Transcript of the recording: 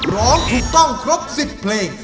ร้องถูกต้องครบ๑๐เพลง